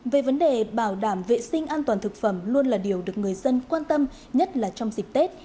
về vấn đề bảo đảm vệ sinh an toàn thực phẩm luôn là điều được người dân quan tâm nhất là trong dịp tết